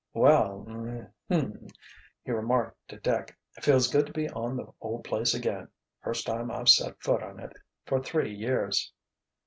"Well—hm m!" he remarked to Dick, "feels good to be on the old place again. First time I've set foot on it for three years."